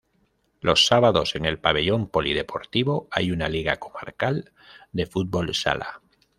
Los sábados, en el pabellón polideportivo, hay una liga comarcal de fútbol sala.